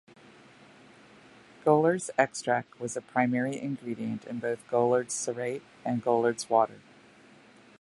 Goulard's Extract was a primary ingredient in both Goulard's Cerate and Goulard's Water.